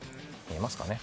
見えますかね？